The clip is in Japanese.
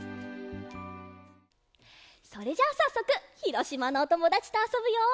それじゃあさっそくひろしまのおともだちとあそぶよ！